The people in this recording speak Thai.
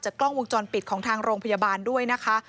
กล้องวงจรปิดของทางโรงพยาบาลด้วยนะคะ